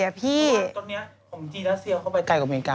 ตอนนี้ของจีนรัสเซียเข้าไปไกลกับอเมริกา